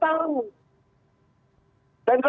dan kalau misalnya